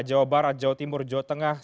jawa barat jawa timur jawa tengah